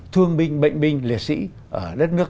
thương binh bệnh binh liệt sĩ ở đất nước